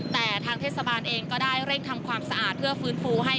แต่ทางเทศบาลเองก็ได้เร่งทำความสะอาดเพื่อฟื้นฟูให้